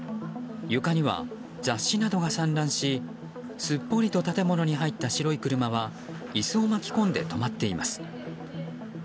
床には雑誌などが散乱しすっぽりと建物に入った白い車は椅子を巻き込んで止まっています。